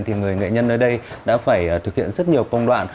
thì người nghệ nhân ở đây đã phải thực hiện rất nhiều công đoạn